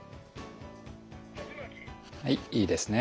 はいいいですね。